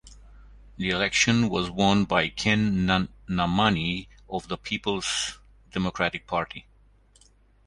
The election was won by Ken Nnamani of the Peoples Democratic Party.